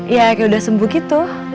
ya kayak udah sembuh gitu